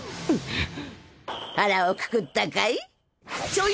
腹をくくったかい。